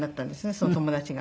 その友達が。